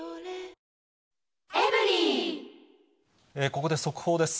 ここで速報です。